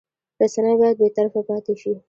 رسنۍ باید بېطرفه پاتې شي.